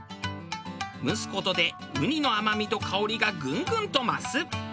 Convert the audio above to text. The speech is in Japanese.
蒸す事でウニの甘みと香りがグングンと増す。